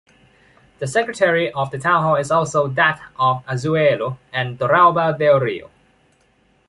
The secretary of the townhall is also that of Azuelo and Torralba del Rio.